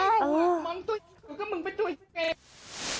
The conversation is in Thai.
มองตัวเหรียญหรือก็มึงเป็นตัวเหรียญ